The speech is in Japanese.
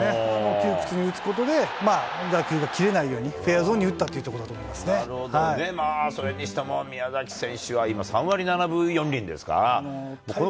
窮屈に打つことで、打球が切れないように、フェアゾーンに打ったそれにしても、宮崎選手は、今、３割７分４厘ですか。